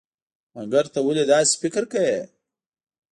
مګر ته ولې داسې فکر کوئ؟